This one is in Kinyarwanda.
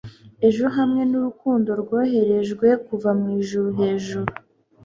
ejo hamwe nurukundo rwoherejwe kuva mwijuru hejuru